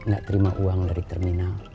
nggak terima uang dari terminal